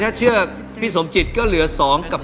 และพี่สมจิตก็เหลือ๒กับ๓